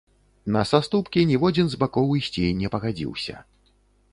На саступкі ніводзін з бакоў ісці не пагадзіўся.